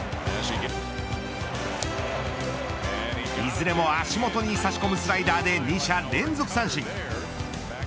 いずれも足元に差し込むスライダーで２者連続三振。